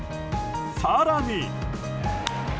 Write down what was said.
更に。